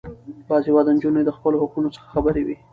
باسواده نجونې د خپلو حقونو څخه خبرې وي.